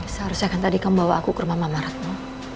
seharusnya kan tadi kamu bawa aku ke rumah mamaratmu